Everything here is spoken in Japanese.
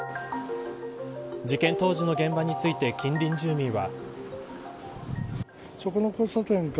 事件当時の現場について近隣住民は。